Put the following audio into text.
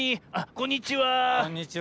こんにちは。